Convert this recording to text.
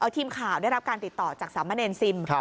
ทีมข่าวได้รับการติดต่อจากสามเณรซิม